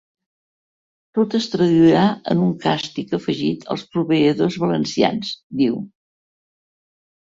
Tot es traduirà en un càstig afegit als proveïdors valencians, diu.